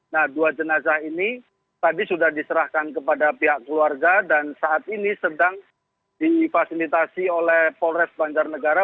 nah dua jenazah ini tadi sudah diserahkan kepada pihak keluarga dan saat ini sedang difasilitasi oleh polres banjarnegara